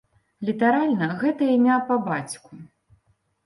Літаральна гэта імя па бацьку.